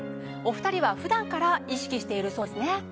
お２人は普段から意識しているそうですね。